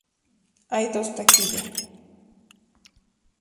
Hay dos taquilla.